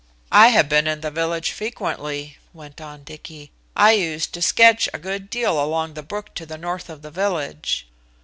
"I have been in the village frequently," went on Dicky. "I used to sketch a good deal along the brook to the north of the village."